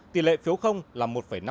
tỷ lệ phiếu không là một năm mươi tám